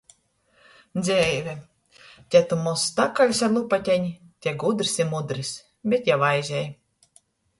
Dzeive. Te tu mozs takaļs ar lupateņu, te gudrys i mudrys, bet jau aizej.